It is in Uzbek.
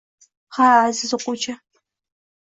Ha, aziz o‘quvchi